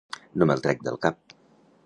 No me'l trec del cap.